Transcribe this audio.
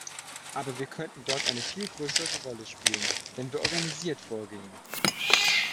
Aber wir könnten dort eine viel größere Rolle spielen, wenn wir organisiert vorgingen.